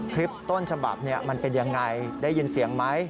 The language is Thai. คลิปต้นฉบับมันเป็นยังไงได้ยินเสียงไหม